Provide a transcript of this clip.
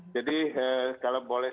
jadi kalau boleh